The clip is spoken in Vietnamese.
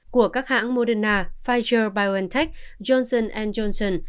của các hãng moderna pfizer biontech johnson johnson